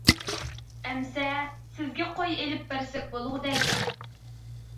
ئەمىسە، سىزگە قوي ئېلىپ بەرسەك بولغۇدەك.